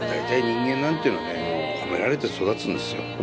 大体人間なんていうのはね褒められて育つんですよ。